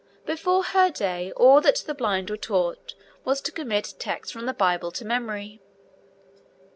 Before her day all that the blind were taught was to commit texts from the Bible to memory.